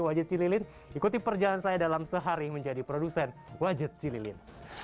wajit cililin ikuti perjalanan saya dalam sehari menjadi produsen wajit cililin